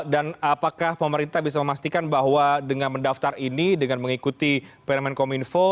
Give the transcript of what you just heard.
dan apakah pemerintah bisa memastikan bahwa dengan mendaftar ini dengan mengikuti permen komunfo